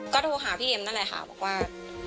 ก็โทรหาพี่เอ็มนั่นแหละค่ะบอกว่า